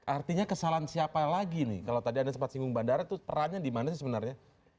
artinya kesalahan siapa lagi nih kalau tadi anda sempat singgung bandara itu perannya di mana sih sebenarnya